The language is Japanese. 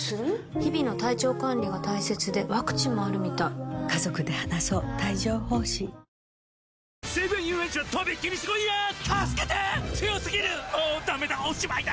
日々の体調管理が大切でワクチンもあるみたいうわーううーっ！